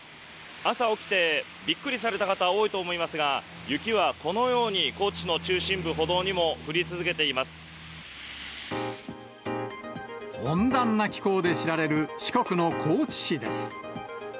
朝起きて、びっくりされた方、多いと思いますが、雪はこのように高知市の中心部、温暖な気候で知られる四国の高知市です。